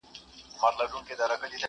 د شاهي تاج در پرسر کي،